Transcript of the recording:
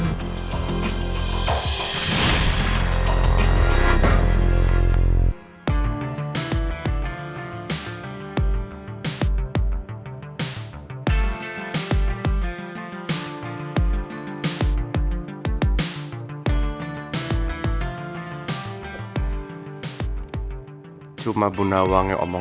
aku yang ingin hidup